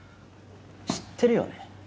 知ってるよね？